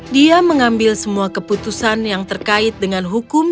dia mengambil semua keputusan yang terkait dengan hukum